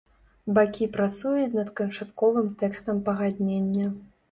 Бакі працуюць над канчатковым тэкстам пагаднення.